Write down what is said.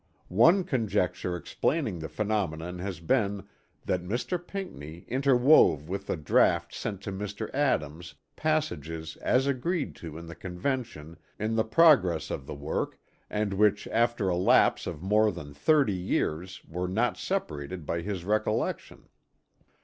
"One conjecture explaining the phenomenon has been that Mr. Pinckney interwove with the draught sent to Mr. Adams passages as agreed to in the Convention in the progress of the work and which after a lapse of more than thirty years were not separated by his recollection."